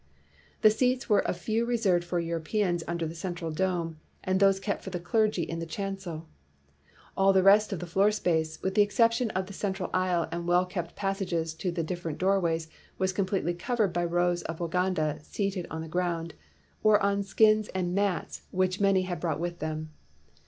"The seats were a few reserved for Eu ropeans under the central dome and those kept for the clergy in the chancel; all the rest of the floor space, with the exception of the central aisle and well kept passages to the different doorways, was completely cov ered by rows of Waganda seated on the ground, or on skins and mats which many had brought with them.